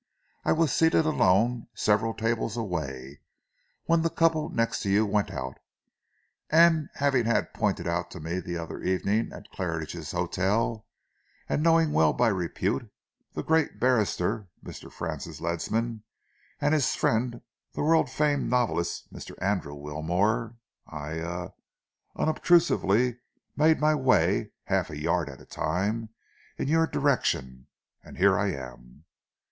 "I was seated alone, several tables away, when the couple next to you went out, and having had pointed out to me the other evening at Claridge's Hotel, and knowing well by repute, the great barrister, Mr. Francis Ledsam, and his friend the world famed novelist, Mr. Andrew Wilmore, I er unobtrusively made my way, half a yard at a time, in your direction and here I am.